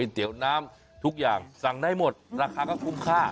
เตี๋ยวน้ำทุกอย่างสั่งได้หมดราคาก็คุ้มค่า